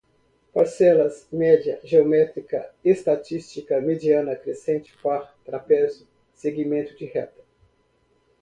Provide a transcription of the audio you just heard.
parcelas, média geométrica, estatística, mediana, crescente, par, trapézio, segmento de reta